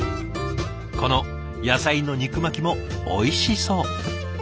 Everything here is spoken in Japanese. この野菜の肉巻きもおいしそう！